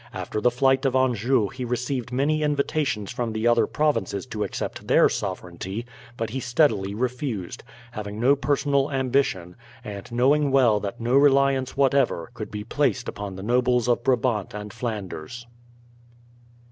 After the flight of Anjou he received many invitations from the other provinces to accept their sovereignty; but he steadily refused, having no personal ambition, and knowing well that no reliance whatever could be placed upon the nobles of Brabant and Flanders.